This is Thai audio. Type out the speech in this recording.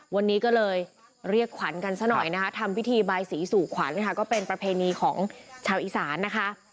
วันนี้ก็เลยเรียกขวัญกันซะหน่อยนะคะทำพิธีบายสีสู่ขวัญค่ะก็เป็นประเพณีของชาวอีสานนะคะ